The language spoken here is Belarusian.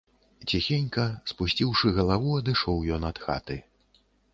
Ціхенька, спусціўшы галаву, адышоў ён ад хаты.